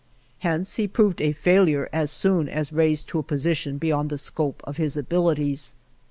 Hence he proved a failure as soon as raised to a position above the scope of his abilities.